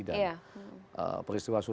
dan peristiwa surat